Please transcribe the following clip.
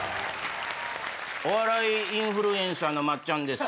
お笑いインフルエンサーの松ちゃんです。